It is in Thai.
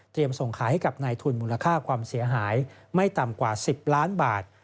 ส่งขายให้กับนายทุนมูลค่าความเสียหายไม่ต่ำกว่า๑๐ล้านบาท